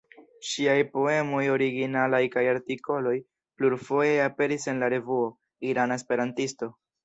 Ŝiaj poemoj originalaj kaj artikoloj plurfoje aperis en la revuo "Irana Esperantisto".